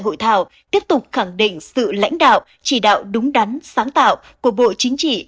hội thảo tiếp tục khẳng định sự lãnh đạo chỉ đạo đúng đắn sáng tạo của bộ chính trị